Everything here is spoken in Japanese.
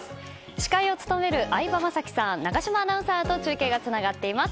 司会を務める相葉雅紀さん永島アナウンサーと中継がつながっています。